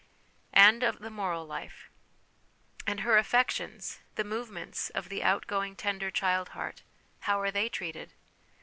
And of the Moral Life. And her affections the movements of the outgoing tender child heart how are they treated?